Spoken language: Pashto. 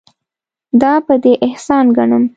دا به دې احسان ګڼم.